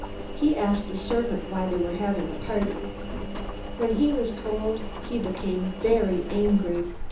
He asked a servant why they were having a party. When he was told, he became very angry.